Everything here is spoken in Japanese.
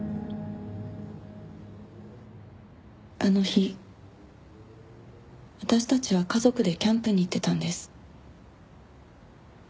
あの日私たちは家族でキャンプに行ってたんです。